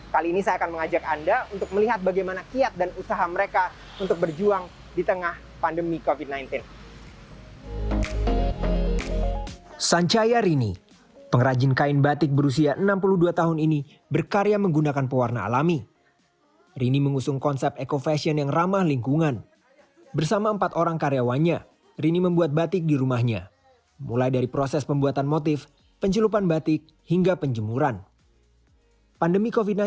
kali ini saya akan mengajak anda untuk melihat bagaimana kiat dan usaha mereka untuk berjuang di tengah pandemi covid sembilan belas